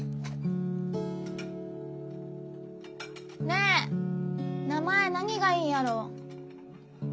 ねえ名前何がいいんやろ。